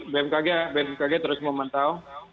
bmkg terus memantau